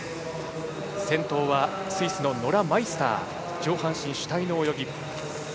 先頭はスイスのノラ・マイスター上半身主体の泳ぎ。